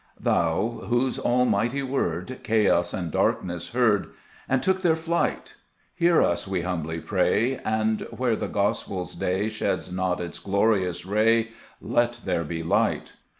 THOU, whose almighty word Chaos and darkness heard, And took their flight, Hear us, we humbly pray ; And, where the gospel's day Sheds not its glorious ray, Let there be light.